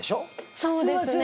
そうですね。